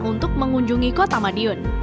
untuk mengunjungi kota madiun